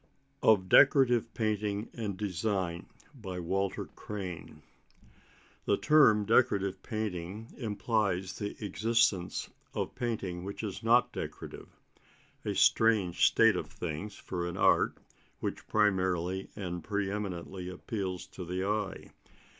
OF DECORATIVE PAINTING AND DESIGN The term Decorative painting implies the existence of painting which is not decorative: a strange state of things for an art which primarily and pre eminently appeals to the eye.